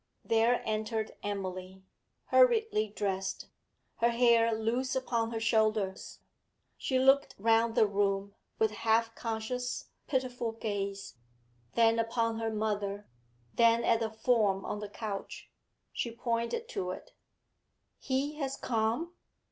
There entered Emily, hurriedly dressed, her hair loose upon her shoulders. She looked round the room, with half conscious, pitiful gaze, then upon her mother, then at the form on the couch. She pointed to it. 'He has come?'